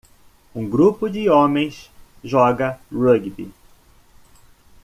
Um grupo de homens joga rugby.